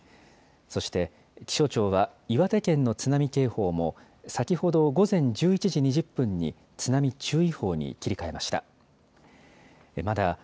そして気象庁は、岩手県の津波警報も、先ほど午前１１時２０分に、津波注意報に切り替えました。